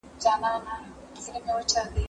زه سبزیحات نه جمع کوم؟!